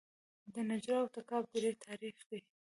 د نجراب او تګاب درې تاریخي دي